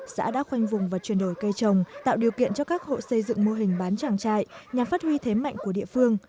xã đã khoanh vùng và chuyển đổi cây trồng tạo điều kiện cho các hộ xây dựng mô hình bán trang trại nhằm phát huy thế mạnh của địa phương